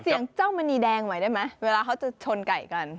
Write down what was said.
ขอเสี่ยงเจ้ามณีแดงไว้ได้มะเวลาเขาจะชนไก่ก่อน